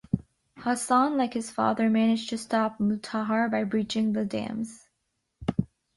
Hasan, like his father, managed to stop Mutahhar by breaching the dams.